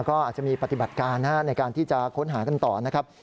ก็อาจจะมีปฏิบัติการในการที่จะค้นหากันต่อนะครับ